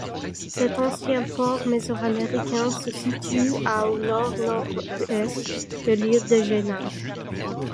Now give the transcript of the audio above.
Cet ancien port mésoaméricain se situe à au nord-nord-est de l'île de Jaina.